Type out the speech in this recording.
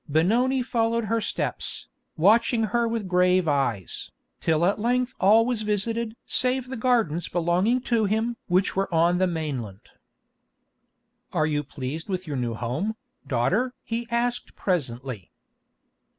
Benoni followed her steps, watching her with grave eyes, till at length all was visited save the gardens belonging to him which were on the mainland. "Are you pleased with your new home, daughter?" he asked presently.